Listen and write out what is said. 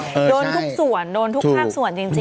โดนทุกส่วนโดนทุกภาคส่วนจริง